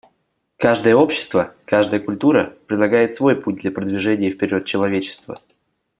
Каждое общество, каждая культура предлагает свой путь для продвижения вперед человечества.